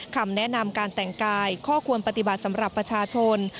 คำแนะนำการแต่งกายข้อควรปฏิบัติสำหรับประชาชน